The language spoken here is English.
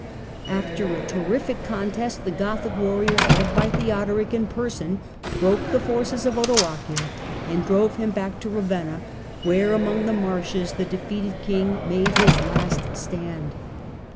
After a terrific contest the Gothic warriors, led by Theodoric in person, broke the forces of Odoacer and drove him back to Kavenna where, among the marshes, the defeated King made his last stand.